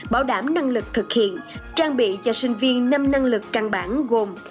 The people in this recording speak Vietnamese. bảo đảm năng lực thực hiện trang bị cho sinh viên năm năng lực căn bản gồm